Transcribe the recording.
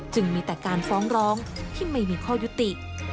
จึงมีแต่การฟ้องร้องที่ไม่มีข้อยุติ